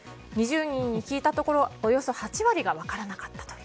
２０人に聞いたところおよそ８割が分からなかったと。